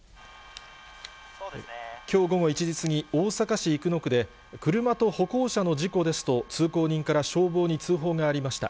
きょう午後１時過ぎ、大阪市生野区で、車と歩行者の事故ですと、通行人から消防に通報がありました。